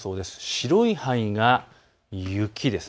白い範囲が雪です。